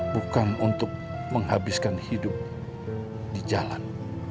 bukan untuk menghabiskan hidup di jalan